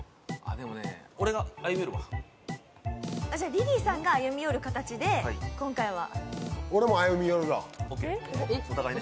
リリーさんが歩み寄る形で今回は。